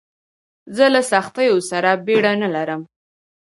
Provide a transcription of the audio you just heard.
زه له سختیو څخه بېره نه لرم.